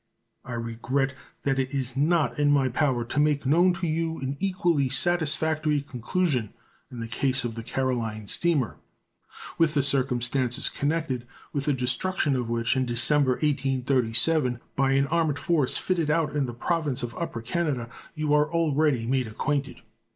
I regret that it is not in my power to make known to you an equally satisfactory conclusion in the case of the Caroline steamer, with the circumstances connected with the destruction of which, in December, 1837, by an armed force fitted out in the Province of Upper Canada, you are already made acquainted.